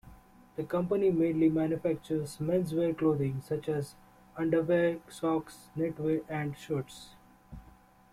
The company mainly manufactures menswear clothing such as underwear, socks, knitwear and shirts.